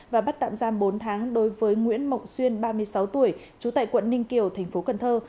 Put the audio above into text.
và bắt tạm giam bốn tháng đối với nguyễn mộng xuyên ba mươi sáu tuổi trú tại quận ninh kiều thành phố cần thơ